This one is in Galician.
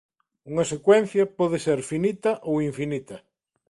Unha secuencia pode ser finita ou infinita.